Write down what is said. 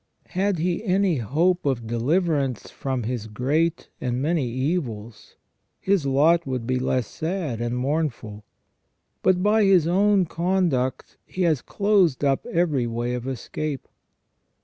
Had he any hope of deliverance from his great and many evils his lot would be less sad and mournful ; but by his own conduct he has closed up every way of escape.